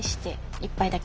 １杯だけ？